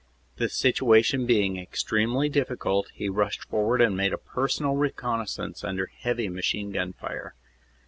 The situation being extremely difficult, he rushed forward and made a personal reconnaissance under heavy machine gun fire.